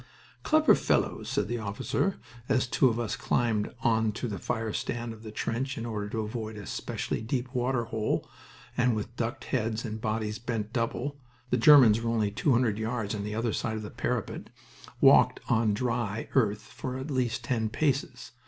"Clever fellows!" said the officer, as two of us climbed on to the fire stand of the trench in order to avoid a specially deep water hole, and with ducked heads and bodies bent double (the Germans were only two hundred yards on the other side of the parapet) walked on dry earth for at least ten paces.